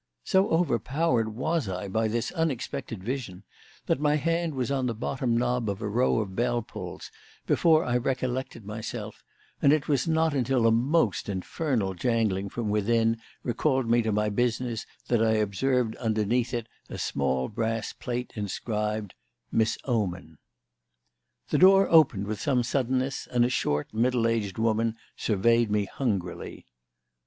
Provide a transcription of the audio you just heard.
So overpowered was I by this unexpected vision that my hand was on the bottom knob of a row of bell pulls before I recollected myself; and it was not until a most infernal jangling from within recalled me to my business that I observed underneath it a small brass plate inscribed "Miss Oman." The door opened with some suddenness, and a short, middle aged woman surveyed me hungrily.